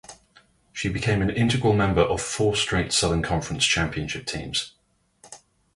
She became an integral member of four straight Southern Conference Championship teams.